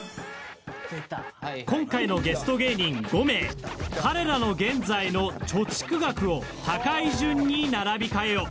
今回のゲスト芸人５名彼らの現在の貯蓄額を高い順に並び替えよ。